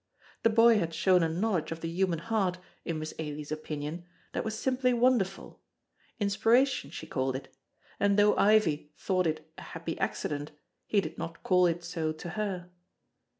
The boy had shown a knowledge of the human heart, in Miss Ailie's opinion, that was simply wonderful; inspiration she called it, and though Ivie thought it a happy accident, he did not call it so to her.